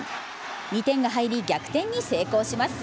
２点が入り、逆転に成功します。